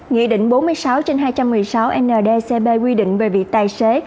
nghị định bốn mươi sáu trên hai trăm một mươi sáu ndcp quy định về việc tài xế